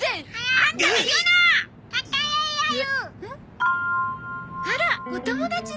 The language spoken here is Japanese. あらお友達ね。